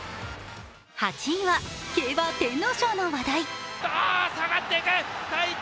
８位は競馬・天皇賞の話題。